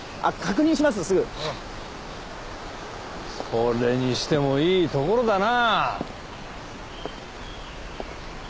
それにしてもいい所だな。